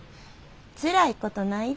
つらいことないで。